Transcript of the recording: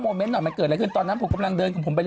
เมนต์หน่อยมันเกิดอะไรขึ้นตอนนั้นผมกำลังเดินของผมไปเร